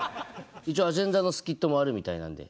一応アジェンダのスキットもあるみたいなんで。